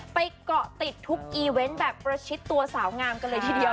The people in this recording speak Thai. เกาะติดทุกอีเวนต์แบบประชิดตัวสาวงามกันเลยทีเดียว